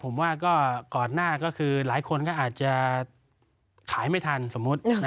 ผมว่าก็ก่อนหน้าก็คือหลายคนก็อาจจะขายไม่ทันสมมุติ